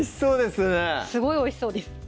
すごいおいしそうです